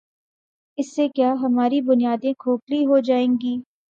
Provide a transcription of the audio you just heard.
اس سے کیا ہماری بنیادیں کھوکھلی ہو جائیں گی؟